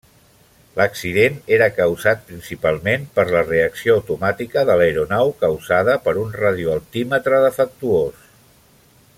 L'accident era causat principalment per la reacció automàtica de l'aeronau causada per un radioaltímetre defectuós.